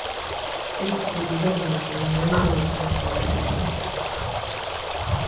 u musikilizaji na tunaanza na taarifa ya habari